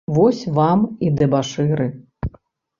Вось вам і дэбашыры.